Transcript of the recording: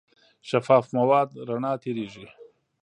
شفاف مواد رڼا تېرېږي.